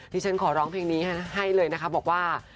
ที่ฉันขอร้องเพลงนี้ให้เลยนะคะบอกว่า